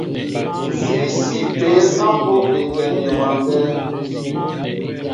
Nzi si peel á mbóʼ éjem ewándέ ?